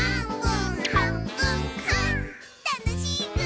たのしいぐ！